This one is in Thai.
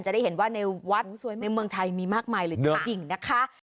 จะได้เห็นว่าในวัดในเมืองไทยมีมากมายเลยจริงนะคะ